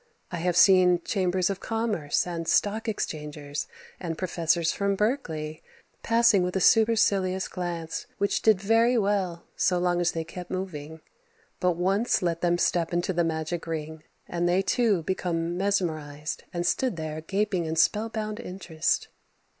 I have seen chambers of commerce and stock exchangers and professors from Berkeley passing with a supercilious glance which did very well so long as they kept moving. But once let them step into the magic ring and they too became mesmerized and stood there gaping in spellbound interest.